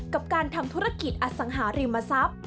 กับการทำธุรกิจอสังหาริมทรัพย์